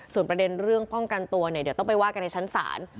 ส่วนประเด็นเรื่องป้องกันตัวเนี่ยเดี๋ยวต้องไปว่ากันในชั้นศาล